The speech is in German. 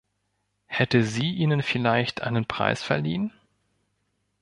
Hätte sie ihnen vielleicht einen Preis verliehen?